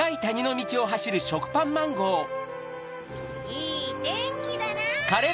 いいてんきだな。